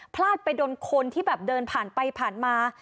พลาดไปโดนคนที่แบบเดินผ่านไปผ่านมา